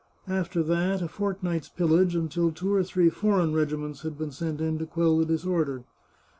After that, a fortnight's pillage, until two or three foreign regiments had been sent in to quell the disorder.